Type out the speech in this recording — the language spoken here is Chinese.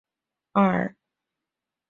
二甲基亚砜是常用的溶剂。